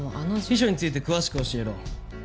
秘書について詳しく教えろ。